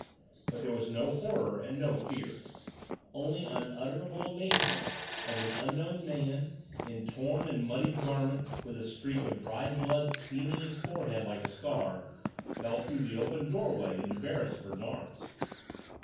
But there was no horror and no fear; only unutterable amazement as an unknown man, in torn and muddied garments, with a streak of dried blood seaming his forehead like a scar, fell through the open doorway into Beresford's arms.